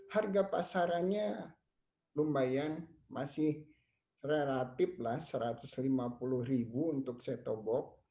harga pasarannya lumayan masih relatif lah rp satu ratus lima puluh untuk setobok